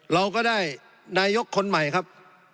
เราก็ได้นายกคนใหม่ครับ